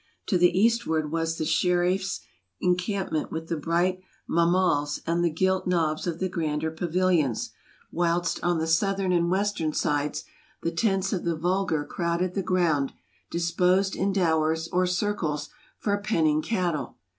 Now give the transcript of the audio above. To the eastward was the Scherif's encampment with the bright mahmals and the gilt knobs of the grander pavilions; whilst, on the southern and western sides, the tents of the vulgar crowded the ground, disposed in dowars, or circles, for penning cattle.